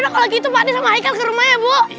kalau gitu pak nis sama heike ke rumah ya bu